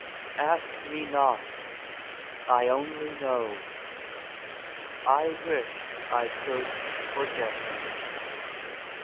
Ask me not; I only know, I wish I could forget her.